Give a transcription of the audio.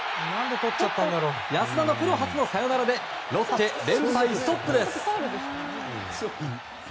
安田のプロ初のサヨナラでロッテ、連敗ストップです。